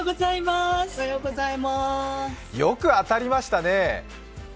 よく当たりましたね。